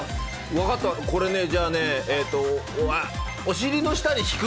分かった、これね、じゃあね、お尻の下に敷く。